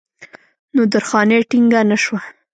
نو درخانۍ ټينګه نۀ شوه